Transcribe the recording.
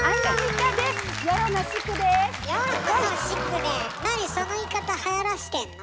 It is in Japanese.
なにその言い方はやらしてんの？